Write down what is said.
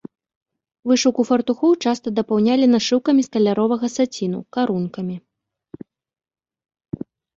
Вышыўку фартухоў часта дапаўнялі нашыўкамі з каляровага саціну, карункамі.